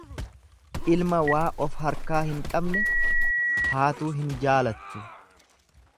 Ilma waa of harkaa hin qabne haatuu hin jaalattu.